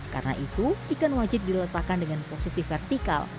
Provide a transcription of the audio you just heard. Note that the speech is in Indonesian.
karena itu ikan wajib diletakkan dengan posisi vertikal